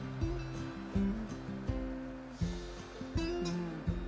うん。